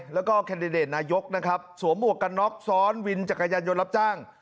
แล้วก็แคนดิเดตนายกนะครับสวมหมวกกันน็อกซ้อนวินจักรยานยนต์รับจ้าง